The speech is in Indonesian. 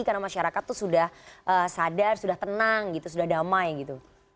karena masyarakat itu sudah sadar sudah tenang sudah damai gitu